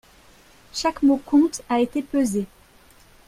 Chaque mot compte a été pesé.